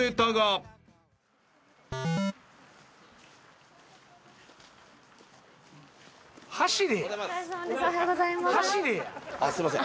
おはようございます。